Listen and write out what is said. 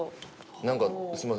なんかすいません。